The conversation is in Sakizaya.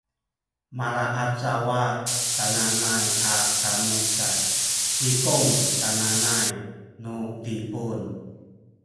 malaacawa sananay a kamu sa “kikung” sananay nu Zipun